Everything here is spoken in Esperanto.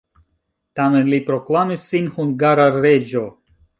Tamen li proklamis sin hungara reĝo.